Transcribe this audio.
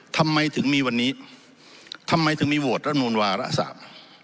ทำไมถึงมีวันนี้ทำไมถึงมีโหวตรัฐมนูลวาระสาม